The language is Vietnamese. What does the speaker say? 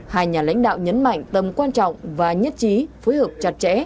hai nhà lãnh đạo nhấn mạnh tầm quan trọng và nhất trí phối hợp chặt chẽ